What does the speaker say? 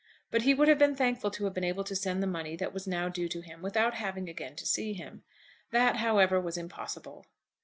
But he would have been thankful to have been able to send the money that was now due to him without having again to see him. That, however, was impossible.